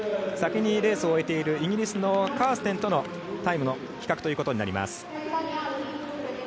先にレースを終えているイギリスのカーステンとのタイムの比較となります。